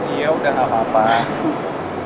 iya udah gak apa apa